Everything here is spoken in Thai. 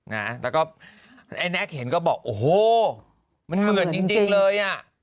นะแล้วก็ไอ้แน็กเห็นก็บอกโอ้โหมันเหมือนจริงเลยอ่ะ